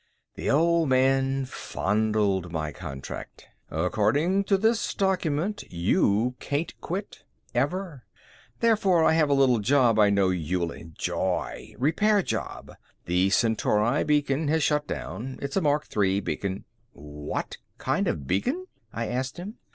The Old Man fondled my contract. "According to this document, you can't quit. Ever. Therefore I have a little job I know you'll enjoy. Repair job. The Centauri beacon has shut down. It's a Mark III beacon...." "What kind of beacon?" I asked him.